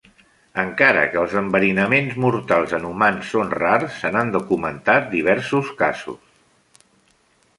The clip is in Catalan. Encara que els enverinaments mortals en humans són rars, se n'han documentat diversos casos.